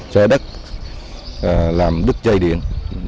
cho đất làm đứt dây điện